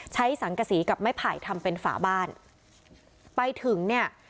สังกษีกับไม้ไผ่ทำเป็นฝาบ้านไปถึงเนี่ย